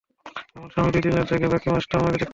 আমার স্বামী দুই-তিন রাত জাগে, বাকি মাস তো আমাকে দেখতে হয়।